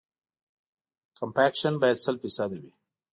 کمپکشن باید سل فیصده وي